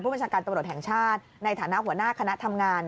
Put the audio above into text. ประชาการตำรวจแห่งชาติในฐานะหัวหน้าคณะทำงาน